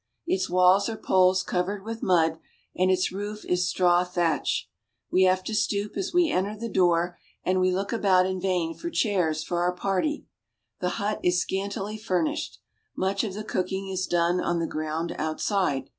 Its walls are poles covered with mud, and its roof is straw thatch. We have to stoop as we enter the door, and we look about in vain for chairs for our party. The hut is scantily furnished. Much of the cooking is done on the ground outside.